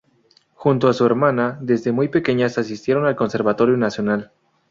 Junto a su hermana, desde muy pequeñas asistieron al Conservatorio Nacional.